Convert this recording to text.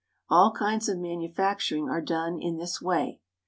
All kinds of manufacturing are done in this way.